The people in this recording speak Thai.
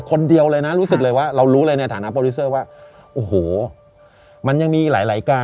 คนเดียวเลยนะรู้สึกเลยว่าเรารู้เลยในฐานะโปรดิวเซอร์ว่าโอ้โหมันยังมีหลายการ